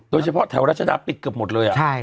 โดยเฉพาะแถวราชานะปิดเกือบหมดเลยอ่ะใช่